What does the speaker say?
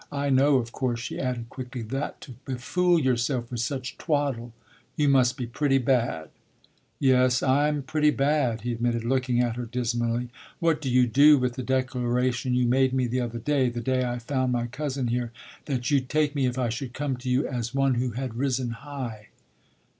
"I know of course," she added quickly, "that to befool yourself with such twaddle you must be pretty bad." "Yes, I'm pretty bad," he admitted, looking at her dismally. "What do you do with the declaration you made me the other day the day I found my cousin here that you'd take me if I should come to you as one who had risen high?"